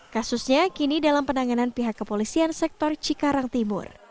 kasusnya kini dalam penanganan pihak kepolisian sektor cikarang timur